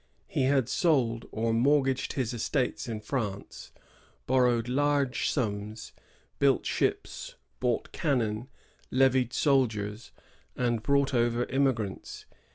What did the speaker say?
He had sold or mortgaged his estates in France^ borrowed large sums, built ships, bought cannon, levied soldiers, and brought over immigrants.